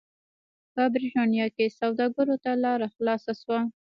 په برېټانیا کې سوداګرو ته لار خلاصه شوه.